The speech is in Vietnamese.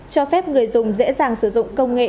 cho phép người dùng dễ dàng sử dụng công nghệ